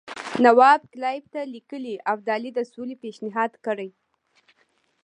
نواب کلایف ته لیکلي ابدالي د سولې پېشنهاد کړی.